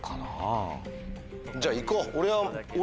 じゃあいこう。